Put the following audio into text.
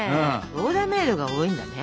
オーダーメードが多いんだね。